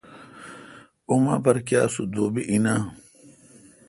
اوما پر کیا سُو دوبی این آں؟